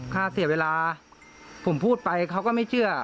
ค่าเสียเวลาผมพูดไปเขาก็ไม่เชื่อ